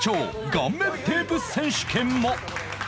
顔面テープ選手権」も